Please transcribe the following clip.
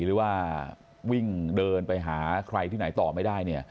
หรือว่าวิ่งเดินไปหาใครที่ไหนต่อไม่ได้